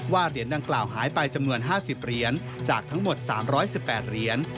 ว่าเหรียญดังกล่าวหายไปจำนวนห้าสิบเหรียญจากทั้งหมดสามร้อยสิบแปดเหรียญ